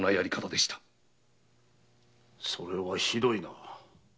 それはひどいな。